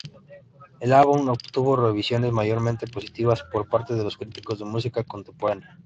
El álbum obtuvo revisiones mayormente positivas por parte de los críticos de música contemporánea.